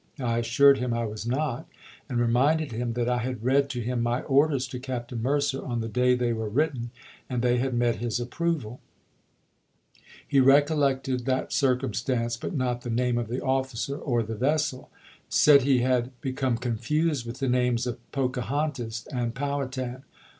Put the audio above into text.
I assured him I was not, and reminded him that I had read to him my orders to Captain Mercer on the day they were written, and they had met his approval. He recollected that circumstance, but not the name of the officer or the vessel — said he had become confused with the names of Pocahontas and Poivhatan.